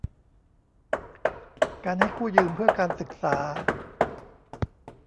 การให้กู้ยืมเพื่อการศึกษา